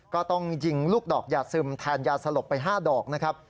ก็ต้องยิงลูกดอกยาซึมแทนยาสลบไป๕ดอกนะครับ